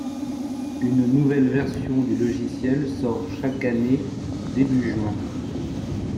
Une nouvelle version du logiciel sort chaque année début juin.